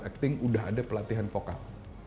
dalam kelas acting udah ada pelatihan vokal